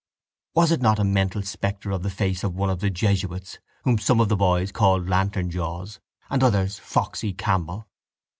Was it not a mental spectre of the face of one of the jesuits whom some of the boys called Lantern Jaws and others Foxy Campbell?